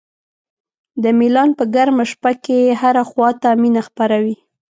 د میلان په ګرمه شپه کې هره خوا ته مینه خپره وي.